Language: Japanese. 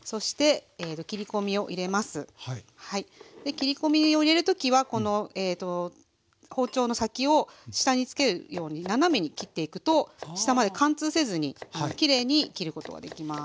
切り込みを入れる時はこの包丁の先を下につけるように斜めに切っていくと下まで貫通せずにきれいに切ることができます。